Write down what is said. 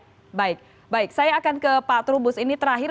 baik baik saya akan ke pak trubus ini terakhir